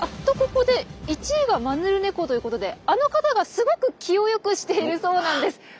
とここで１位がマヌルネコということであの方がすごく気をよくしているそうなんです。